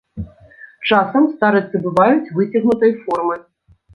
Часам старыцы бываюць выцягнутай формы.